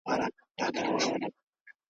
هم په اور هم په اوبو کي دي ساتمه `